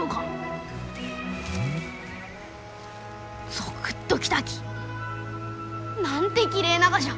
ゾクッときたき！なんてきれいながじゃ！